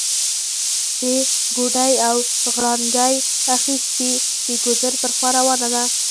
دې ګوډی او غړانګۍ اخيستي، د ګودر پر خوا روانه وه